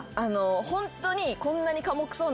ホントに。